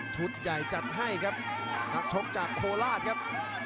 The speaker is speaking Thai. ใหญ่จัดให้ครับนักชกจากโคราชครับ